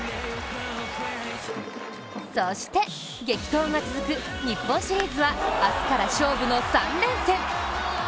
そして、激闘が続く日本シリーズは明日から勝負の３連戦。